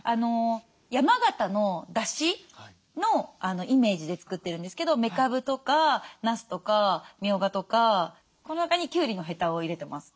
山形のだしのイメージで作ってるんですけどめかぶとかなすとかみょうがとかこの中にきゅうりのヘタを入れてます。